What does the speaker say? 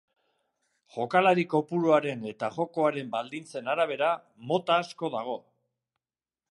Jokalari kopuruaren eta jokoaren baldintzen arabera, mota asko dago.